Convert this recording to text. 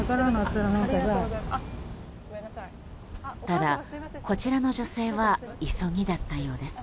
ただ、こちらの女性は急ぎだったようです。